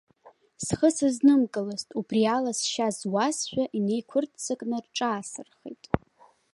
Схы сызнымкылазт, убриала сшьа зуазшәа, инеиқәырццакны рҿаасырхеит.